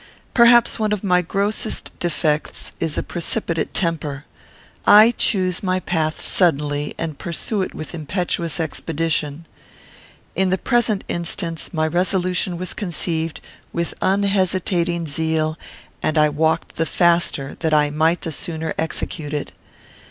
Perhaps one of my grossest defects is a precipitate temper. I choose my path suddenly, and pursue it with impetuous expedition. In the present instance, my resolution was conceived with unhesitating zeal, and I walked the faster that I might the sooner execute it.